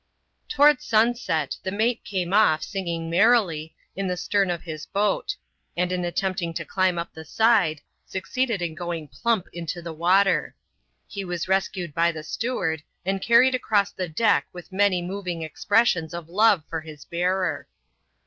Toward sunset, the mate came off, singing merrily, in the stern of his boat ; and in attempting to climb up the side, suc ceeded in going plump into the water. He was rescued by the steward, and carried across the deck with many moving ex pressions of love for his bearer.